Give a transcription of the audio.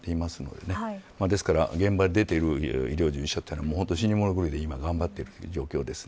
ですから現場で出ている医療従事者も死にもの狂いで頑張っている状況です。